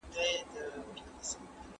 یوازې خبرې کول بسنه نه کوي.